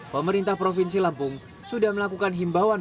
pemerintah provinsi lampung sudah melakukan himbauan